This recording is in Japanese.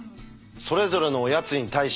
それぞれのおやつに対し「買うか？」